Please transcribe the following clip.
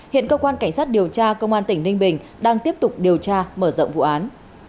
hiện cơ quan cảnh sát điều tra công an tỉnh ninh bình đang tiếp tục điều tra mở rộng vụ án